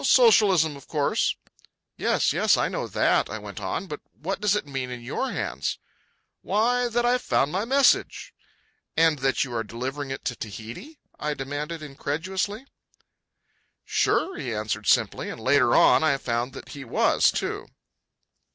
"Socialism, of course." "Yes, yes, I know that," I went on; "but what does it mean in your hands?" "Why, that I've found my message." "And that you are delivering it to Tahiti?" I demanded incredulously. "Sure," he answered simply; and later on I found that he was, too.